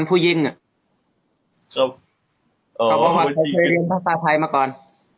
ผู้หญิงอ่ะครับอ๋อเขาบอกว่าเคยเรียนภาษาไทยมาก่อน